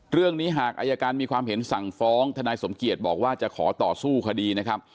เรื่องนี้หากอายการมีความเห็นสั่งฟ้องทนายสมเกียจบอกว่าจะขอต่อสู้คดีนะครับ